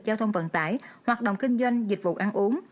giao thông vận tải hoạt động kinh doanh dịch vụ ăn uống